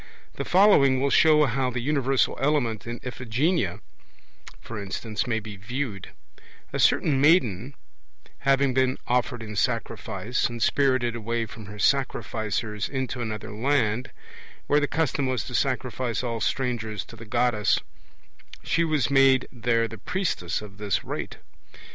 The following will show how the universal element in Iphigenia, for instance, may be viewed: A certain maiden having been offered in sacrifice, and spirited away from her sacrificers into another land, where the custom was to sacrifice all strangers to the Goddess, she was made there the priestess of this rite.